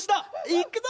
いくぞ！